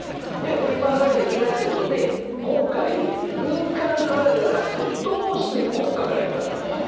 振り回されちゃいけないということで、今回、民間からではなくて、どうして国家からいくかということですよ。